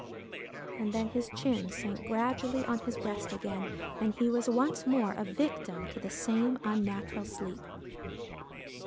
And then his chin sank gradually on his breast again, and he was once more a victim to the same unnatural sleep.